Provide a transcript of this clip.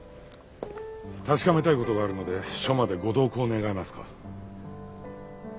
確かめたい事があるので署までご同行願えますか？